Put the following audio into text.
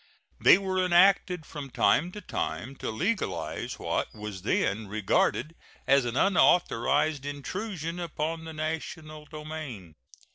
They were enacted from time to time to legalize what was then regarded as an unauthorized intrusion upon the national domain.